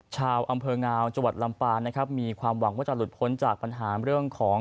ชาวอำเภองาวจวัดลำปานะครับมีความหวังว่าจะลุดผลจากเนิ้น